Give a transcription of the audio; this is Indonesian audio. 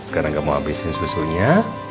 sekarang kamu abisin susunya